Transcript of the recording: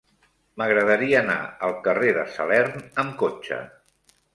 M'agradaria anar al carrer de Salern amb cotxe.